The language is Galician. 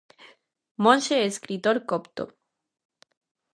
Monxe e escritor copto.